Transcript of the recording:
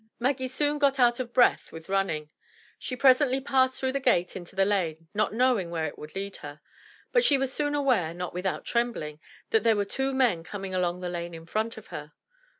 Maggie soon got out of breath with running. She presently passed through the gate into the lane, not knowing where it would lead her. But she was soon aware, not without trembling, that there were two men coming along the lane in front of her.